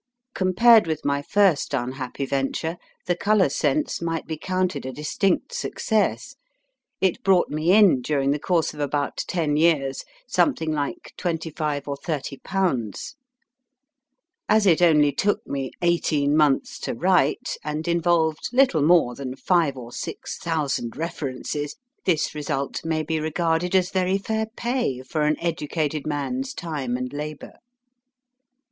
Compared with my first un happy venture, The Colour Sense might be counted a dis tinct success. It brought me in, during the course of about ten years, something like 25/. or 3<D/. As it only took me eighteen months to write, and involved little more than five or six thousand references, this result may be regarded as very fair pay for an educated man s time and labour.